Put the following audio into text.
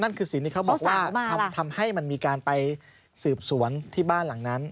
คือสิ่งที่เขาบอกว่าทำให้มันมีการไปสืบสวนที่บ้านหลังนั้น